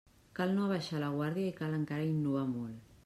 Cal no abaixar la guàrdia i cal encara innovar molt.